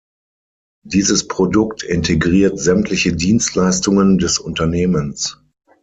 Dieses Produkt integriert sämtliche Dienstleistungen des Unternehmens.